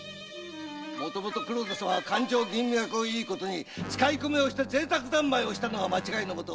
もともと黒田様が勘定吟味役をいいことに使い込みをして贅沢三昧をしたのが間違いのもと。